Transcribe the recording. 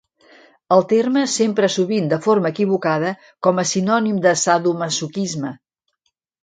El terme s'empra sovint, de forma equivocada, com a sinònim de sadomasoquisme.